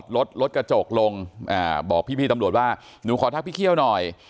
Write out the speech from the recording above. รถรถกระจกลงบอกพี่ตำรวจว่าหนูขอทักพี่เคี่ยวหน่อย